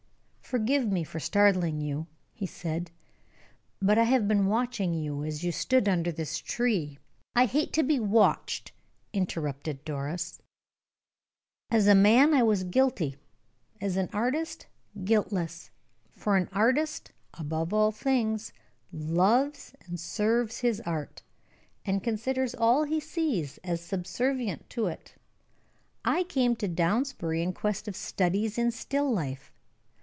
"Forgive me for startling you," he said; "but I have been watching you as you stood under this tree " "I hate to be watched," interrupted Doris. "As a man I was guilty; as an artist, guiltless, for an artist, above all things, loves and serves his art, and considers all he sees as subservient to it. I came to Downsbury in quest of studies in still life.